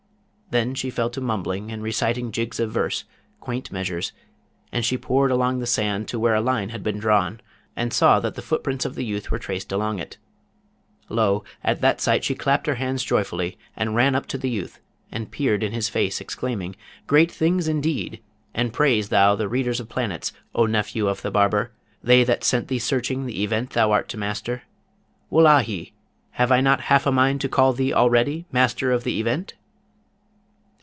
Then she fell to mumbling and reciting jigs of verse, quaint measures; and she pored along the sand to where a line had been drawn, and saw that the footprints of the youth were traced along it. Lo, at that sight she clapped her hands joyfully, and ran up to the youth, and peered in his face, exclaiming, 'Great things indeed! and praise thou the readers of planets, O nephew of the barber, they that sent thee searching the Event thou art to master. Wullahy! have I not half a mind to call thee already Master of the Event?'